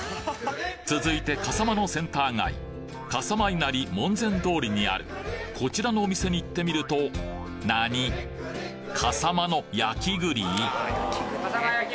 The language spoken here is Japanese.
続いて笠間のセンター街笠間稲荷門前通りにあるこちらのお店に行ってみると何？かさまの焼き栗？